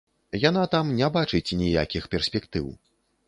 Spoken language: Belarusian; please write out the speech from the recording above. Яна там не бачыць ніякіх перспектыў.